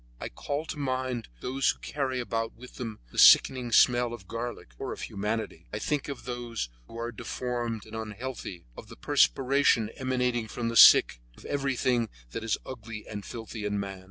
I call to mind those who carry about with them the sickening smell of garlic or of humanity. I think of those who are deformed and unhealthy, of the perspiration emanating from the sick, of everything that is ugly and filthy in man.